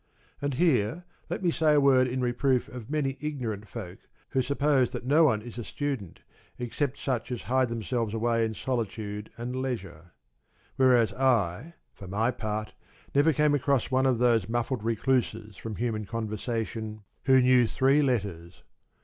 And here let me say a word in reproof of the many ignorant folk who suppose that no one is a student except such as hide themselves away in solitude and leisure ; whereas I, for my part, never came across one of these muffled recluses from human conversation 119 who knew three letters.